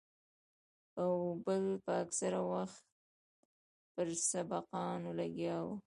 او بل به اکثره وخت پر سبقانو لګيا وو.